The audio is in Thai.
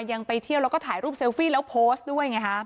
ยังไปเที่ยวแล้วก็ถ่ายรูปเซลฟี่แล้วโพสต์ด้วยไงฮะ